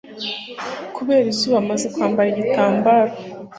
kubera izuba, amaze kwambara igitambaro